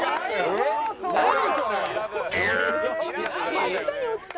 真下に落ちた。